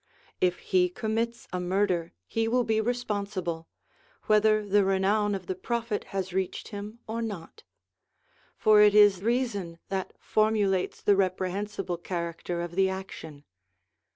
If he commits a murder he will be responsible, whether the renown of the Prophet has reached him or not; for it is reason that formulates the reprehensible character of the action.